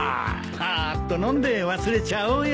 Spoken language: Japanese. ぱーっと飲んで忘れちゃおうよ。